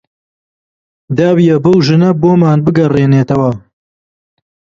داویە بەو ژنە بۆمان بگەڕێنێتەوە